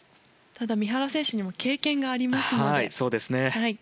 ただ、三原選手にも経験がありますので。